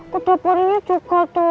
kedepannya juga tuh